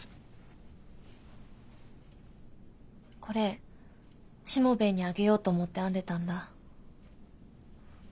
これしもべえにあげようと思って編んでたんだ。